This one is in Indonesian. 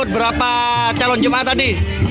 berapa calon jama'ah tadi